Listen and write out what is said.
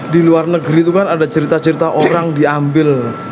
di luar negeri itu kan ada cerita cerita orang diambil